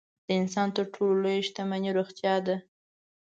د انسان تر ټولو لویه شتمني روغتیا ده.